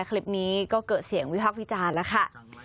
คลิปนี้ก็เกิดเสียงวิพักษ์วิจารณ์แล้วค่ะ